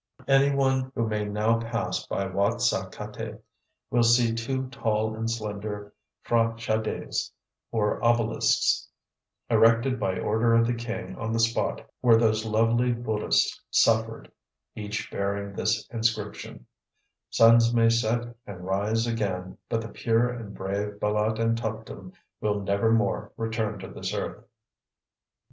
Any one who may now pass by Watt Sah Katè will see two tall and slender P'hra Chadees, or obelisks, erected by order of the king on the spot where those lovely Buddhists suffered, each bearing this inscription: "Suns may set and rise again, but the pure and brave Bâlât and Tuptim will never more return to this earth."